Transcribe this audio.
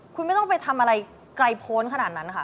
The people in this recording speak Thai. คุณไม่ต้องไปทำอะไรไกลพ้นขนาดนั้นค่ะ